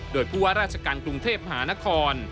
โดยผู้ว่าราชการกรุงเทพมหานคร